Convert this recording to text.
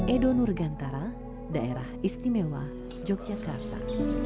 edo nurgantara daerah istimewa yogyakarta